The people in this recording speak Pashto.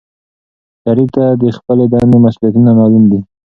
شریف ته د خپلې دندې مسؤولیتونه معلوم دي.